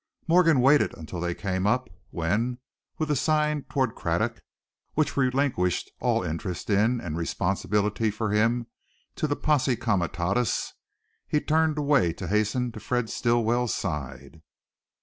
Morgan waited until they came up, when, with a sign toward Craddock, which relinquished all interest in and responsibility for him to the posse comitatus, he turned away to hasten to Fred Stilwell's side.